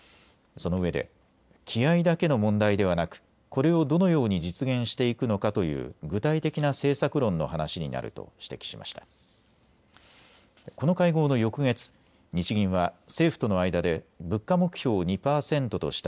そのうえで気合いだけの問題ではなく、これをどのように実現していくのかという具体的な政策論の話になると指摘しました。